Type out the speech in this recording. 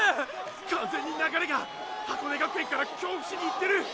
完全に流れが箱根学園から京伏にいってる！